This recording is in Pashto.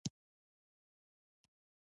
تولیدي کرښې له لوړ ظرفیت سره فعالې دي.